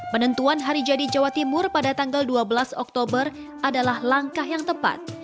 penentuan hari jadi jawa timur pada tanggal dua belas oktober adalah langkah yang tepat